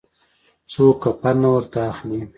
څوک کفن نه ورته اخلي.